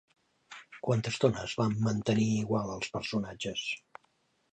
Quanta estona es van mantenir igual els personatges?